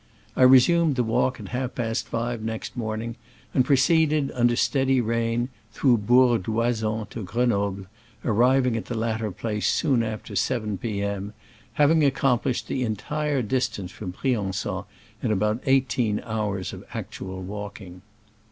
I re sumed the walk at half past five next morning, and proceeded, under steady rain, through Bourg d*Oysans to Gren oble, arriving at the latter place soon after seven p. M., having accomplished the entire distance from Brian^on in about eighteen hours of actual walking.